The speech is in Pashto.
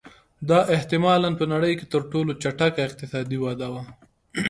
دا احتما لا په نړۍ کې تر ټولو چټکه اقتصادي وده وه